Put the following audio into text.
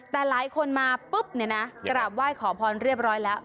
แต่หลายคนมาปุ๊บเนี่ยนะกราบไหว้ขอพรเรียบร้อยแล้ว